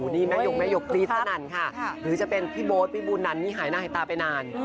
นี่แม่ยกแม่ยกกรี๊ดสนั่นค่ะหรือจะเป็นพี่โบ๊ทพี่บูนนั้นนี่หายหน้าหายตาไปนาน